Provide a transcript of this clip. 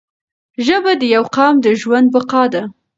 ژبه د یو قوم د ژوند بقا ده